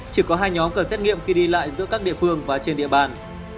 chỉ có hai nhóm cần xét nghiệm khi đi lại giữa các địa phương và trên địa bàn